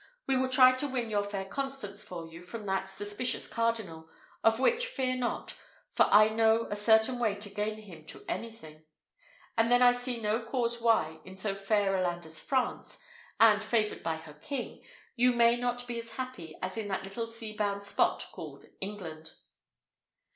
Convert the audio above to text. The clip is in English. We will try to win your fair Constance for you from that suspicious cardinal, of which fear not, for I know a certain way to gain him to anything; and then I see no cause why, in so fair a land as France, and favoured by her king, you may not be as happy as in that little seabound spot called England."